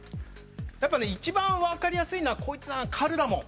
一番分かりやすいのはカルダモン。